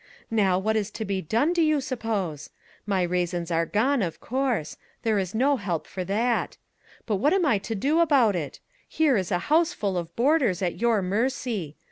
Now, what is to be done, do you suppose ? My raisins are gone, of course ; there is no help for that. But what am I to do about it? Here is a house full of boarders at your mercy.